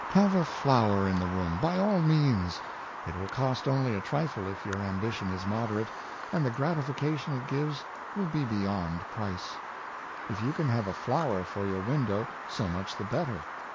Have a flower in the room, by all means! It will cost only a trifle if your ambition is moderate, and the gratification it gives will be beyond price. If you can have a flower for 3^our window, so much the better.